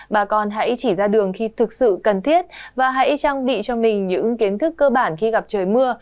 bà con hãy chỉ ra đường khi thực sự cần thiết và hãy trang bị cho mình những kiến thức cơ bản khi gặp trời mưa